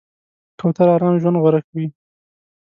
کوتره آرام ژوند غوره کوي.